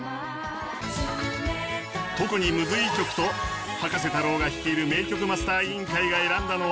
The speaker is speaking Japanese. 特にムズいい曲と葉加瀬太郎が率いる名曲マスター委員会が選んだのは。